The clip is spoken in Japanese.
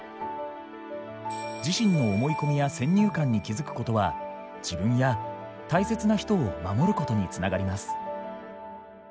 自身の思い込みや先入観に気付くことは自分や大切な人を守ることに繋がります。